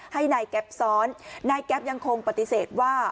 ให้นายแก๊ปซ้อนนายแก๊ปยังคงปฏิเสธว่า